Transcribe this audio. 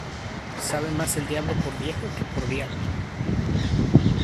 Sabe mas el diablo por viejo, que por diablo.